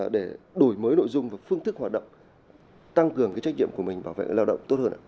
để đổi mới nội dung và phương thức hoạt động tăng cường cái trách nhiệm của mình bảo vệ người lao động tốt hơn ạ